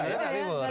oh bursa nggak libur